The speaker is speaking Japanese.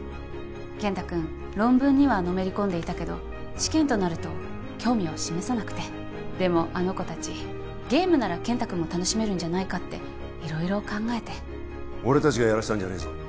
健太君論文にはのめり込んでいたけど試験となると興味を示さなくてでもあの子達ゲームなら健太君も楽しめるんじゃないかって色々考えて俺達がやらせたんじゃないぞ